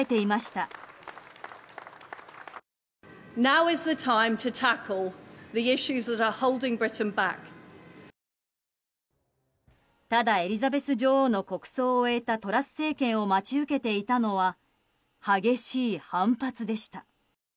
ただ、エリザベス女王の国葬を終えたトラス政権を待ち受けていたのは激しい反発でした。